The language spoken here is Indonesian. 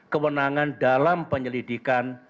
kewenangan dalam penyelidikan